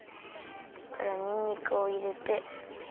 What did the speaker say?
そしたらにんにくをいれて。